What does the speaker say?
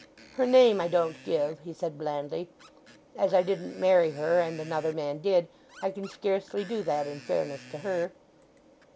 "Her name I don't give," he said blandly. "As I didn't marry her, and another man did, I can scarcely do that in fairness to her."